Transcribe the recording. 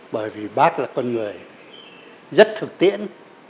bởi vì bác là con người rất thực tiễn